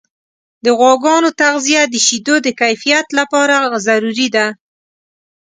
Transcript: د غواګانو تغذیه د شیدو د کیفیت لپاره ضروري ده.